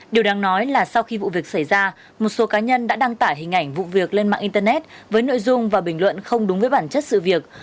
điều đáng nói là sau khi vụ việc xảy ra một số cá nhân đã đăng tải hình ảnh vụ việc lên mạng internet với nội dung và bình luận không đúng với bản chất sự việc